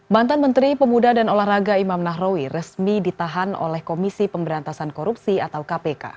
mantan menteri pemuda dan olahraga imam nahrawi resmi ditahan oleh komisi pemberantasan korupsi atau kpk